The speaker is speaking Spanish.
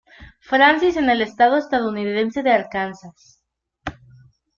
Francis en el estado estadounidense de Arkansas.